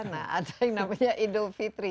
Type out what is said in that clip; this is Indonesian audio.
nah ada yang namanya idul fitri